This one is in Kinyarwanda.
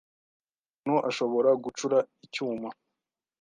umuntu ashobora gucura icyuma